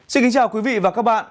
xin kính chào quý vị và các bạn